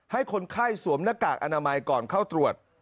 ให้คนไข้สวมหน้ากากอนามัยก่อนเข้าตรวจ